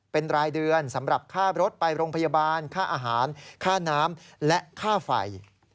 เป็นรายเดือนสำหรับค่ารถไปโรงพยาบาลค่าอาหารค่าน้ำและค่าไฟ